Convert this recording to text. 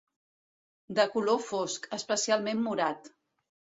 De color fosc, especialment morat.